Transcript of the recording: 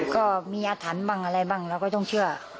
ก็มีอาถรรพ์บ้างอะไรบ้างเราก็ต้องเชื่อ